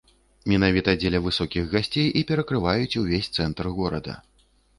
Менавіта дзеля высокіх гасцей і перакрываюць увесь цэнтр горада.